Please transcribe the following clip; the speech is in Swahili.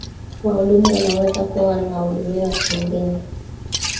wahudumu wanaweza kuwa wanahudumia watu wengine